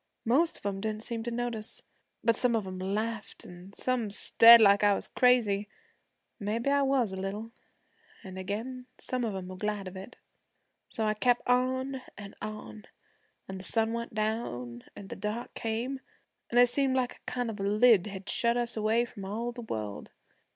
Most of 'em didn't seem to notice, but some of 'em laughed, an' some stared like I was crazy, an' maybe I was a little, an' again some of 'em were glad of it. 'So I kep' on an' on, an' the sun went down, an' the dark came, an' it seemed like a kind of a lid had shut us away from all the world.